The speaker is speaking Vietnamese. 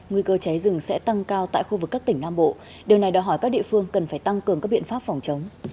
nguy cơ cháy rừng sẽ tăng cao tại khu vực các tỉnh nam bộ điều này đòi hỏi các địa phương cần phải tăng cường các biện pháp phòng chống